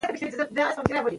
عضلات ګلوکوز جذبوي.